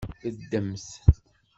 Beddemt.